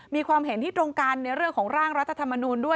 มีความเห็นที่ตรงกันในเรื่องของร่างรัฐธรรมนูลด้วย